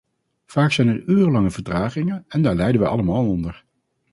Vaak zijn er urenlange vertragingen, en daar lijden wij allemaal onder.